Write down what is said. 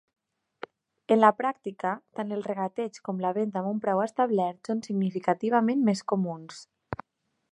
En la pràctica, tant el regateig com la venda amb un preu establert són significativament més comuns.